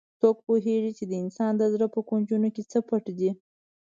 څوک پوهیږي چې د انسان د زړه په کونجونو کې څه پټ دي